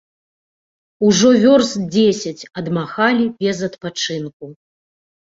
Ужо вёрст дзесяць адмахалі без адпачынку.